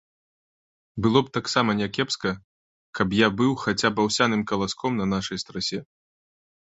Было б таксама някепска, каб я быў хаця б аўсяным каласком на нашай страсе.